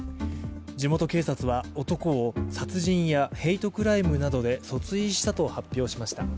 地元警察は、男を殺人やヘイトクライムなどで訴追したと発表しました。